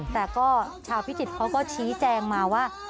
แต่ก็ชาวพิจิตรเขาก็ชี้แจงมาว่า